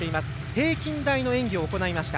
平均台の演技を行いました。